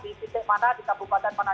di titik mana di kabupaten mana